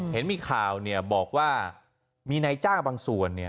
เห็นมีข่าวเนี่ยบอกว่ามีนายจ้างบางส่วนเนี่ย